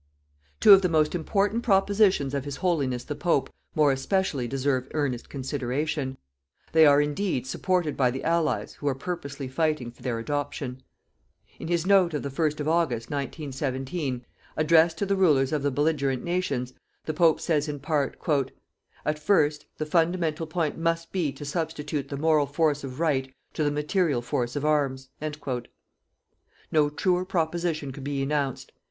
Two of the most important propositions of His Holiness the Pope more especially deserve earnest consideration. They are indeed supported by the Allies who are purposely fighting for their adoption. In his note of the first of August, 1917, addressed to the Rulers of the belligerent nations, the Pope says in part: "AT FIRST, THE FUNDAMENTAL POINT MUST BE TO SUBSTITUTE THE MORAL FORCE OF RIGHT TO THE MATERIAL FORCE OF ARMS." No truer proposition could be enounced.